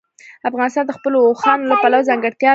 افغانستان د خپلو اوښانو له پلوه ځانګړتیا لري.